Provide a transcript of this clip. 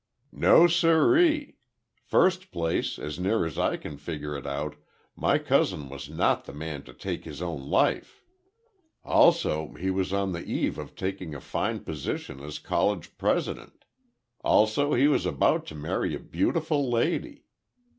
"No sir ee! First place, as near as I can figure it out, my cousin was not the man to take his own life. Also, he was on the eve of taking a fine position as College President—also he was about to marry a beautiful lady.